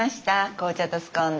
紅茶とスコーンです。